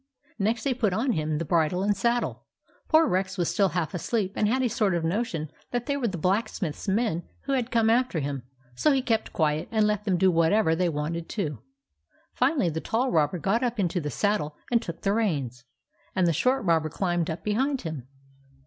Next they put on him the bridle and saddle. Poor Rex was still half asleep, and had a sort of notion that they were the blacksmiths men who had come after him ; so he kept quiet and let them do whatever they wanted to. Finally, the tall robber got up into the saddle and took the reins, and the short robber climbed up behind him.